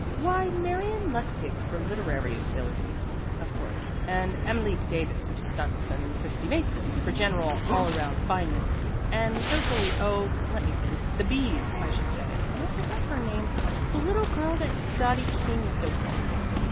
"Why Marion Lustig for literary ability, of course, and Emily Davis for stunts and Christy Mason for general all around fineness, and socially oh, let me think the B's, I should say, and I forget her name the little girl that Dottie King is so fond of.